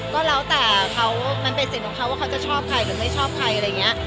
ก็แล้วแต่เขามันเป็นสิทธิ์ของเขาว่าเขาจะชอบใครหรือไม่ชอบใครอะไรอย่างนี้